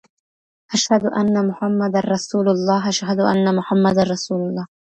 اشهد ان محمد الرسول الله، اشهد ان محمد الرسول الله